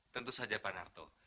tentu saja pak narto